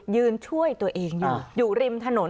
ยืนช่วยตัวเองอยู่อยู่ริมถนน